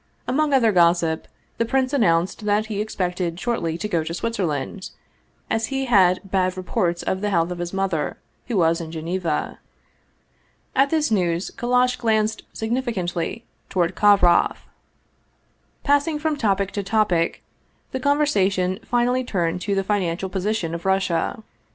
Among other gossip, the prince announced that he ex pected shortly to go to Switzerland, as he had bad reports of the health of his mother, who was in Geneva. At this news Kallash glanced significantly toward Kov roff. Passing from topic to topic, the conversation finally turned to the financial position of Russia.